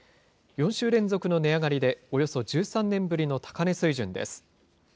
４週連続の値上がりで、およそ１３年ぶりの高値水準です。